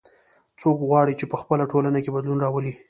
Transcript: څوک غواړي چې په خپله ټولنه کې بدلون راولي